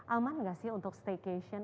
aman nggak sih untuk staycation